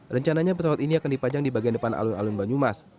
rencananya pesawat ini akan dipajang di bagian depan alun alun banyumas